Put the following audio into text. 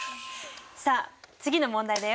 さあ次の問題だよ。